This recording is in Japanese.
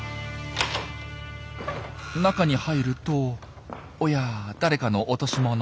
中に入るとおや誰かの落とし物。